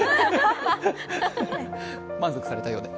満足されたようで。